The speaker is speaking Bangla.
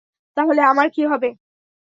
তাহলে আমার কী হবে?